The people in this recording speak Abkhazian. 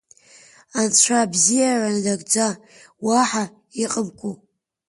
Анцәа, бзиара нагӡа уаҳа иҟамкәоу?